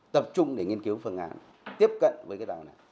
tập trung để nghiên cứu phương án tiếp cận với cái đảo này